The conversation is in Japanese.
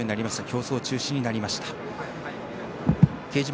競走中止になりました。